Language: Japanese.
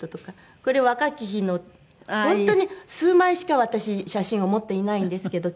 これ若き日の本当に数枚しか私写真を持っていないんですけど父と母の。